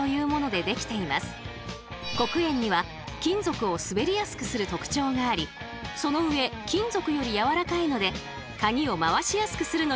黒鉛には金属を滑りやすくする特徴がありそのうえ金属よりやわらかいのでカギを回しやすくするのにピッタリ。